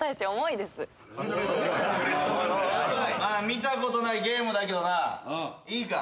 見たことないゲームだけどないいか？